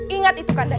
ingat itu kanda